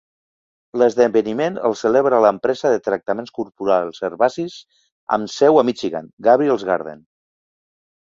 L'esdeveniment el celebra l'empresa de tractaments corporals herbacis amb seu a Michigan: Gabriel's Garden.